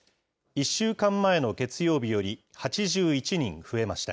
１週間前の月曜日より８１人増えました。